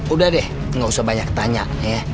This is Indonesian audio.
udah deh gak usah banyak tanya